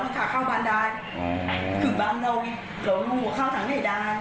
เธอก็บอกว่าข้างหลังนังได้